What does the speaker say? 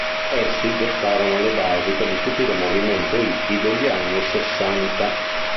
Essi gettarono le basi per il futuro movimento "hippy" degli anni sessanta.